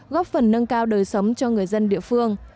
góp phần nâng cao đời sống cho người dân địa phương